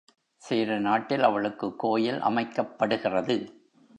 சேர நாட்டில் அவளுக்குக் கோயில் அமைக்கப்படுகிறது.